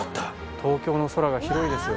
東京の空が広いですよ。